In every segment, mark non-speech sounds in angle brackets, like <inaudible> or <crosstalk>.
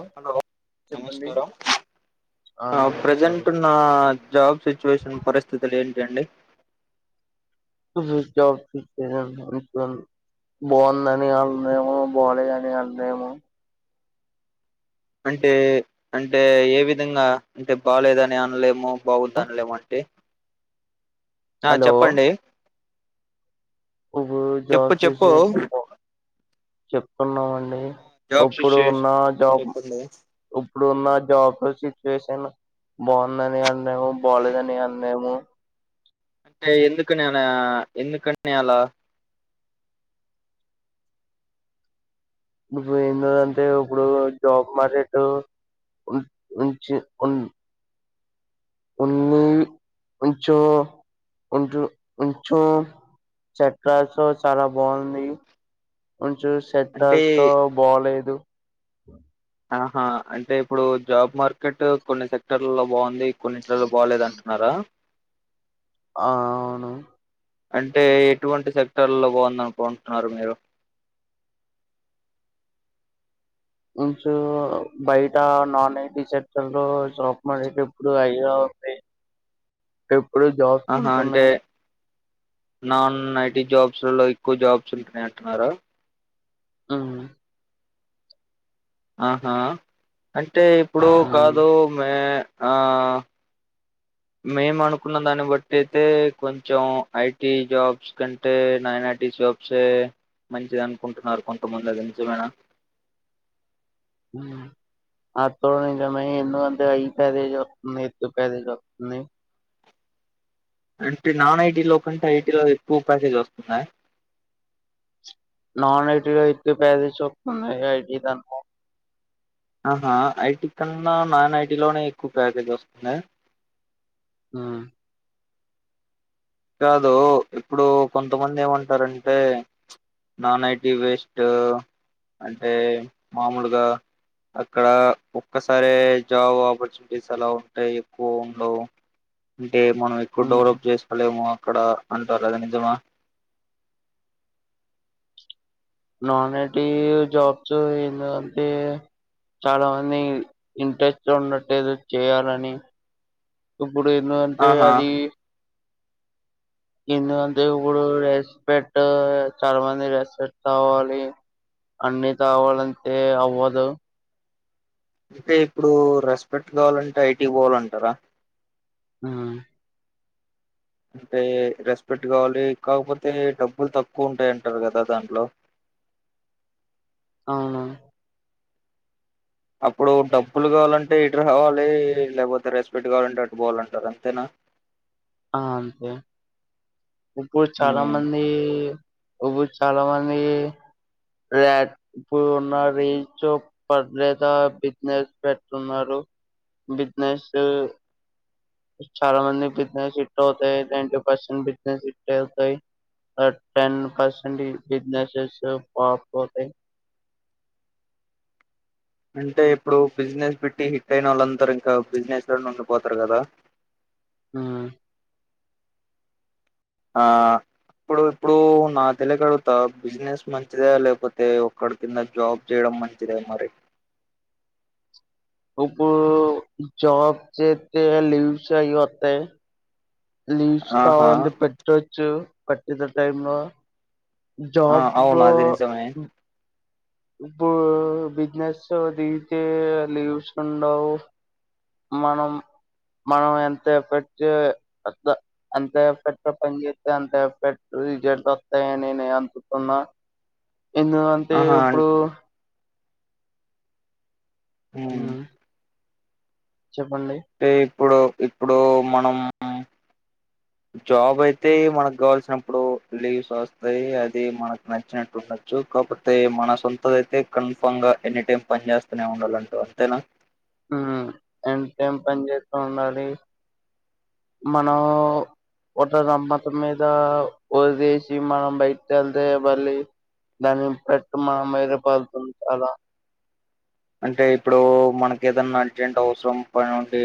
ఆ హలో చెప్పండి నమస్కారం ఆ నమస్కారం ప్రజెంట్ నా జాబ్ సిచ్యువేషన్ పరిస్థితులు ఏంటి రడి స్చ్ ఆఫ్ బాగుంద అని అళ్ళునేమో బాలే అని అళ్ళునేమో అంటే అంటే ఏ విధంగా అంటే బాలేదని అనలేము బాగుదు అనలేము అంటే ఆ చెప్పండి ఉ చెప్పు చెప్పు <unintelligible> చెప్తున్నామండి <unintelligible> జాబ్ సిచ్యుయేషన్ చెప్పండి ఇప్పుడున్న జాబ్ సిచ్యుయేషన్ బాగుందని అన్నాము బాగోలేదు అన్నాలేము అంటే ఎందుకని అలా ఎందుకని అలా ఇడు ఏంటంటే ఇప్పుడు జాబ్ మార్కెట్ ఉ ఉంచి ఉ ఉన్ని ఉంచంచం ఉ ఉంచం చెట్టస్ చాలా బాగుంది కొంచెం అంటే సెక్టార్స్ లో బాలేదు అ ఆహా అంటే ఇప్పుడు జాబ్ మార్కెట్ కొన్ని సెక్టర్లలో బాగుంది కొన్నింటిలోలో బాలేదంటున్నారా ఆ అవును అంటే ఎటువంటి సెక్టర్ లో బాగుంద అనుకుంటున్నారు మీరు ఇంచు బయట నాన్ ఐటి సెక్టార్స్ లో స్టాక్ మార్కెట్ ఎప్పుడు అయ్యా ఇప్పుడు జాబ్స్ ఆహా అంటే ఉంటున్నాయి నాన్ ఐటీ జాబ్స్లలో ఎక్కువ జాబ్స్ ఉంటానాయి అంటున్నారా ఉమ్ ఆహా అంటే ఇప్పుడు కాదు మే ఆ మేము అనుకున్న దాన్ని బట్టి అయితే కొంచెం ఐటి జాబ్స్ కంటే నైన్ ఐటి జాబ్స్ ఆ మంచిది అనుకుంటున్నారు కొంతమంది అది నిజమే నా అ తడుమ ఎ అంత అ ప్యారేజ్ వస్తుంది ఎ ప్యారేజ్ వస్తుంది అంటే నాన్ ఐటీ లో కంటే ఐటీలో ఎక్కువ ప్యాసేజ్ వస్తుంద నాన్ ఐటీలో అయితే పేదేస్ చెతున్నా ఐటీ దనుకో ఆహా ఐటీ కన్నా నాన్ ఐటీ లోనే ఎక్కువ ప్యాకేజ్ వస్తుంద ఆ కాదు ఇప్పుడు కొంతమంది ఏమంటారంటే నాన్ ఐటీ వేస్ట్ అంటే మామూలుగా అక్కడ ఒక్కసారే జాబ్ ఆపర్చునిటీస్ అలా ఉంటాయి ఎక్కువ ఉండవ్ అ మనం ఎక్కువ డెవలప్ చేస్త ఏమో అక్కడ అంటారు కదా నిజమా నాన్ ఐటీ జాబ్స్ ఎందుంటే చాలా మంది ఇంట్రెస్ట్ ఉండట్లేదు చేయాలని ఇప్పుడు ఎందుకు అంటే ఆహా అది ఎందుకంటే ఇప్పుడు రెస్పెట్ చాలా మంది రెస్పెట్ కావాలి అన్ని కాావాలంటే అవ్వదు అంటే ఇప్పుడు రెస్పెక్ట్ కావాలంటే ఐటీ పోవాలంటారా ఆ అంటే రెస్పెక్ట్ కావాలి కాకపోతే డబ్బులు తక్కువ ఉంటాయంటారు కదా దాంట్లో అవును అప్పుడు డబ్బులు కావాలంటే ఇటురు కావాలి లేకపోతే రెస్పెక్ట్ కావాలంటే అటు పోవాలంటారు అంతేనా అ అంతే ఇప్పుడు చాలా ఉమ్. మంది ఇప్పుడు చాలా మంది యా ఇప్పుడు ఉన్న రీ చు పర్లేదా బిజినెస్ పెడుతున్నారు బిజినెస్ చాలా మంది ఆ సెట్ అవుతాయి రెంటు పర్సెంట్ బిజినెస్ సెట్ అవుతాయి టెన్ పర్సెంట్ బిజినెసెస్ పాప్ అవుతాయి అంటే ఇప్పుడు బిజినెస్ పెట్టి హిట్ అయిన వాళ్ళందరూ ఇంకా బిజినెస్ లోనే ఉండిపోతారు కదా ఉ ఆ ఇప్పుడు ఇప్పుడు నాకు తెలియక అడుగుతా బిజినెస్ మంచిదే లేకపోతే ఒక్కడి కింద జాబ్ చేయడం మంచిద మరి ఇప్పు జాబ్ చేతే లీవ్స్ అవి వత్తయి లీవ్స్ ఆహా కావాలంటే పెట్టొచ్చు పట్టిత టైమ్ లో ఆ అవును జాబు అది నిజమే ఇప్పుడు బిజినెస్ దిచే లీవ్స్ ఉండవు మనం మనం ఎంత ఎఫెక్ట్ ఎంత ఎఫెక్ట్ పని చేస్తే అంత ఎఫెక్ట్ రిజల్ట్ వస్తాయిని నే అందుతున్నా ఎందు అంటే ఆహా ఓ అన్ ఉ ఉమ్, చెప్పండి ఇప్పుడు ఇప్పుడు మనం జాబ్ అయితే మనకు కావాల్సినప్పుడు లీవ్స్ వస్తాయి అది మనకు నచ్చినట్టు ఉండొచ్చు కాబపోతే మన సొంత అయితే కన్ఫామ్ గా ఎనీ టైమ్ పని చేస్తూనే ఉండాలంట అంతేనా యూ ఎనీ టైం పని చేస్తూ ఉండాలి మనం ఒక సంవత్సరం అయితే వదిలేసి మనం బయటికి వెళ్తే మళ్ళీ దాన్ని పెట్టు మనం భయపడతాం చాలా అంటే ఇప్పుడు మనకు ఏదన్నా అర్జెంట్ అవసరం ప నుండి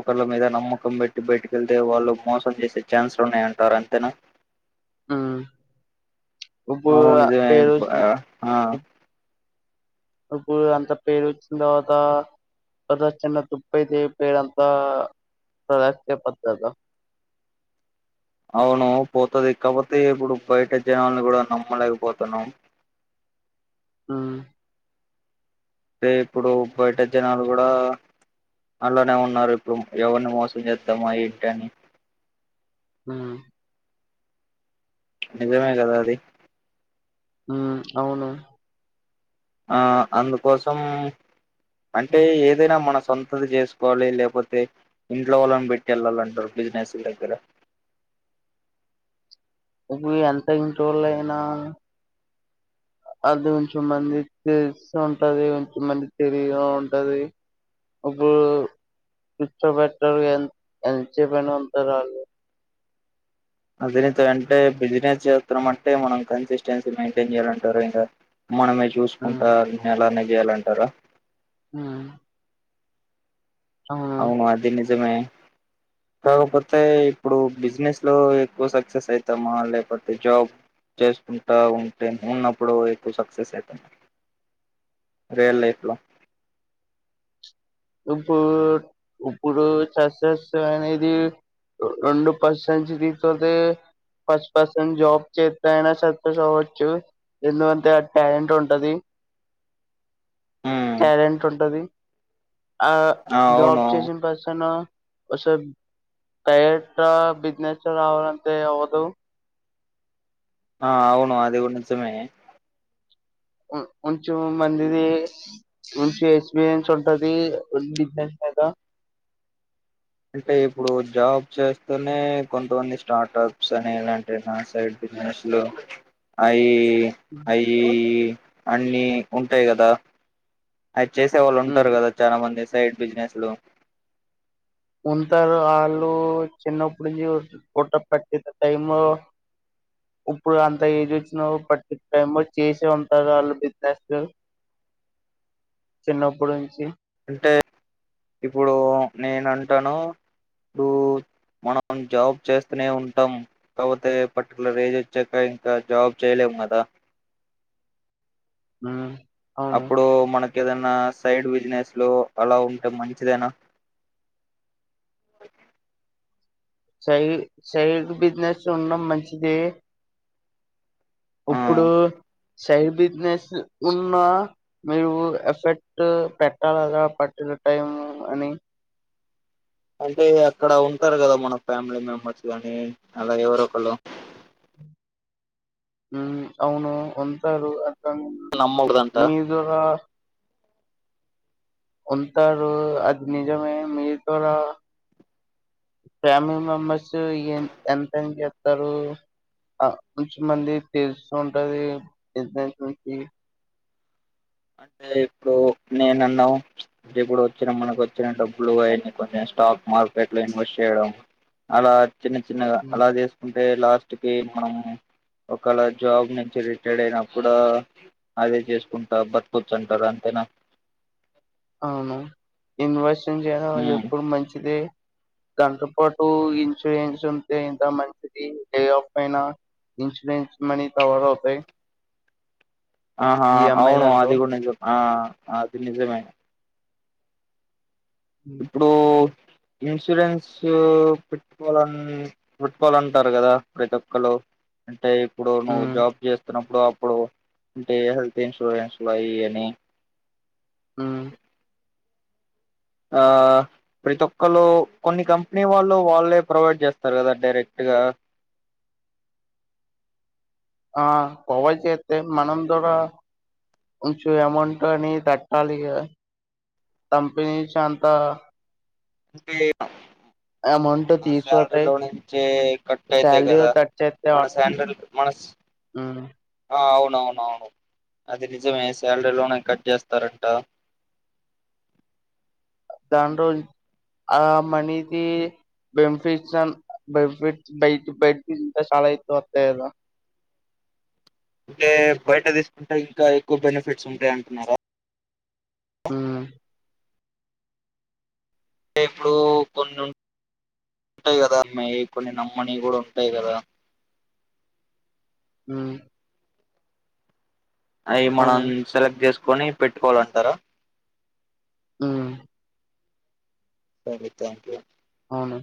ఒకరిళ మీద నమ్మకం పెట్టి బయటికెళ్తే వాళ్ళు మోసం చేసే ఛాన్స్లు ఉన్నాయంటారు అంతేనా ఉ ఇప్పుడు అవును నిజమే ఆ పేరుస్తుంది ఆ, ఇప్పుడు అంత పేరు వచ్చిన తర్వాత ఒక్క చిన్న తుప్ప అయితే పేరు అంతా కొలాప్స్ అయిపోతాది కదా అవును పోతది కాబట్టి ఇప్పుడు బయట జనాలని కూడా నమ్మలేకపోతున్నా ఉ అ అంటే ఇప్పుడు బయట జనాలు కూడా అలానే ఉన్నారు ఇప్పుడు ఎవరిని మోసం చేద్దామా ఏంటి అని ఉ నిజమే కదా అది ఉ అవును ఆ అందుకోసం అంటే ఏదైనా మనం సొంతది చేసుకోవాలి లేకపోతే ఇంట్లో వాళ్ళని పెట్టి వెళ్ళాలంటారు బిజినెస్ దగ్గర ఇప్పుడు ఎంత ఇంటి వాళ్ళు అయినా అది కొంచెంమంది తెలుస్తు ఉంటది కొంచంమంది తేలిగా ఉంటది అప్పుడు కూర్చో పెట్టాలీ ఎ ఎంత చెప్పు అయినా ఉంటారు వాళ్ళు <unintelligible> అంటే బిజినెస్ చేస్తున్నాం అంటే మనం కన్సిస్టెన్సీ మెయింటైన్ చేయాలంటారు ఇంకా మనమే ఆ చూసుకుంటారు ఎలానే చేయాలంటారా ఉ అవును అది నిజమే కాకపోతే ఇప్పుడు బిజినెస్ లో ఎక్కువ సక్సెస్ అయితామా లేకపోతే జాబ్ చేసుకుంటా ఉంటే ఉన్నప్పుడు ఎక్కువ సక్సెస్ అయితామా రియల్ లైఫ్ లో ఇప్పుడు ఇప్పుడు సక్సెస్ అనేది రెండు పర్సంస్ తీతే ఫస్ట్ పర్సెంట్ జాబ్ చేస్త అయినా సక్సెస్ అవ్వచ్చు ఎందుకంటే టాలెంట్ ఉంటది ఉమ్ టాలెంట్ ఉంటది ఆ ఆ జాబ్ అవును చేసిన పర్సన్ <unintelligible> బిజినెస్ రావాలంటే అవదు ఆ అవును అది కూడా నిజమే కొంచెం మందిది మంచి ఎక్స్పీరియన్స్ ఉంటది బిజినెస్ మీద అంటే ఇప్పుడు జాబ్ చేస్తూనే కొంతమంది స్టార్టప్స్ అని ఇలాంటి నాన్ సైడ్ బిజినెస్లు అయి యి అయి అన్ని ఉంటాయి కదా అది చేసే వాళ్ళు ఉం. ఉంటారు కదా చాలా మంది సైడ్ బిజినెస్ లో ఉంటారు వాళ్ళు చిన్నప్పుటి నుంచి పుట్ట పట్ టైమ్ ఇప్పుడు అంత ఏజ్ వచ్చినా పట్టి టైమ్ లో చేసే ఉంటారు వాళ్ళు బిజినెస్లు చిన్నప్పుడు నుంచి అంటే ఇప్పుడు నేనంటాను ఇప్పుడు మనం జాబ్ చేస్తూనే ఉంటాం కాకపోతే పర్టికులర్ ఏజ్ వచ్చాక ఇంకా జాబ్ చేయలేమ్ కదా హు అప్పుడు మన కేదన్నా సైడ్ బిజినెస్ లో అలా ఉంటే మంచిదేనా సై సైడ్ బిజినెస్ ఉండడం మంచిదే ఆ ఇప్పుడు సైడ్ బిజినెస్ ఉన్నా మీరు ఎఫెక్ట్ పెట్టాల్గదా పర్టికులర్ టైము అని అంటే అక్కడ ఉంటారు కదా మన ఫ్యామిలీ మెంబర్స్ గానీ అలా ఎవరో ఒక్కల్లు ఉమ్మ్ అవును ఉంటారు. కానీ నమ్మకూడదంట నిదుర ఉంటారు అది నిజమే మీ ద్వారా ఫ్యామిలీ మెంబర్స్ ఎం ఎంతని చెస్తారు ఆ కొంచమంది తెలుస్తు ఉంటది బిస్నెస్ నుంచి అంటే ఇప్పుడు నేనున్నా ఇప్పుడు వచ్చిన మనకోచ్చిన డబ్బులు అని కొంచెం స్టాక్ మార్కెట్ లో ఇన్వెస్ట్ చేయడం అలా చిన్న చిన్నగా అలా చేసుకుంట్ అంటే లాస్ట్ కి మనం ఒకవేళ జాబ్ నుంచి రిటైర్ అయిన కూడా అదే చేసుకుంటా కూర్చుంటారు అంతేనా అవును ఇన్వెస్ట్ చేయడం ఉమ్. ఎప్పుడు మంచిదే దాంతో పాటు ఇన్సూరెన్స్ ఉంటే ఇంకా మంచిది లే ఆఫ్ అయినా ఇన్సూరెన్స్ మనీ కవర్ అవుతాయ్ ఆహా అవును దాంట్లో అది కూడా నిజమే ఆ అది నిజమే ఉమ్ ఇప్పుడు ఇన్సూరెన్స్ పెట్టుకోవాలన్ పెట్టుకోవాలంటారు కదా ప్రతి ఒక్కలు అంటే ఇప్పుడు నువ్వు ఉమ్ జాబ్ చేస్తున్నప్ ఇప్పుడు అప్పుడు అంటే హెల్త్ ఇన్సూరెన్స్లయ్యని హుమ్మ్ ఆ ప్రతి ఒక్కళ్రు కొన్ని కంపెనీ వాళ్ళు వాళ్ళే ప్రొవైడ్ చేస్తారు కదా డైరెక్ట్గా ఆ ప్రొవైడ్ చెత్తే మనం కూడా కొంచెం అమౌంట్ అని కట్టాలి కదా కంపెనీ కంతా అంటే అమౌంట్ మన శాలరీ తీసుకుపోతాయి లో నుంచే కట్ అయితయ్ శాలరీ కదా కట్ చేస్తే మన ఆటో శాలరీలో మన శా ఉమ్ ఆ అవును నవునవును అది నిజమే శాలరీ లోనే కట్ చేస్తారంట దాని రోజ్ ఆ మనీది బెనిఫిట్స్ అ బనిఫిట్స్ బైట్ బైట్ ఇ చాలా అయితే వత్తాయి గద అంటే బయట తీసుకుంటే ఇంకా ఎక్కువ బెనిఫిట్స్ ఉంటాయంటున్నారా హమ్ అంటే ఇప్పుడు కొన్ని ఉంటాయి కదా అమ్మాయి కొన్ని నమ్మని కూడా ఉంటాయి కదా హమ్ అయి మనం అవును సెలెక్ట్ చేసు కొని పెట్టుకోవాలంటారా హమ్ సరే థ్యాంక్ యూ అండి అవును